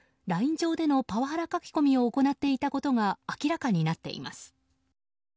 上でのパワハラ書き込みを行っていたことが明らかになっています。